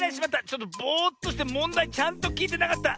ちょっとぼっとしてもんだいちゃんときいてなかった。